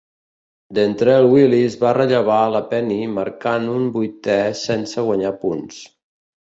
Dontrelle Willis va rellevar la Penny marcant un vuitè sense guanyar punts.